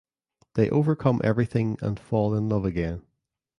They overcome everything and fall in love again.